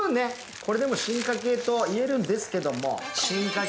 これでも進化系と言えるんですけども進化系